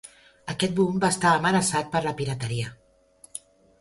Aquest boom va estar amenaçat per la pirateria.